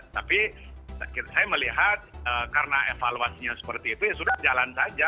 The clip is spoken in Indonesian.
tapi saya melihat karena evaluasinya seperti itu ya sudah jalan saja